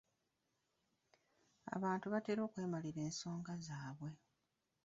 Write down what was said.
Abantu batera okwemalira ensonga zaabwe.